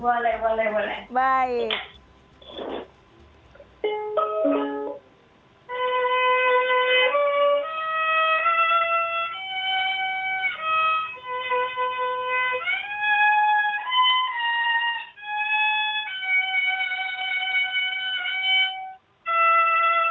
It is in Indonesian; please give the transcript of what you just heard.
boleh boleh boleh